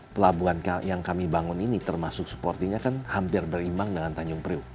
pelabuhan yang kami bangun ini termasuk support nya kan hampir berimbang dengan tanjung priok